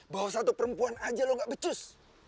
bahwa satu perempuan aja lo gak becus